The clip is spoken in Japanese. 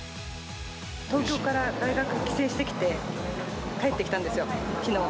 東京から大学帰省してきて、帰ってきたんですよ、きのう。